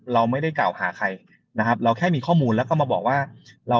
เราไม่ได้กล่าวหาใครนะครับเราแค่มีข้อมูลแล้วก็มาบอกว่าเรา